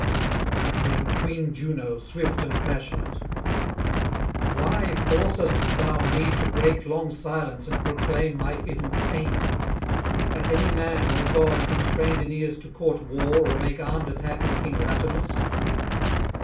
Then Queen Juno, swift and passionate: 'Why forcest thou me to break long silence and proclaim my hidden pain? Hath any man or god constrained Aeneas to court war or make armed attack on King Latinus?